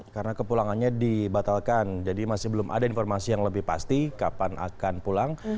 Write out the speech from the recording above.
karena kepulangannya dibatalkan jadi masih belum ada informasi yang lebih pasti kapan akan pulang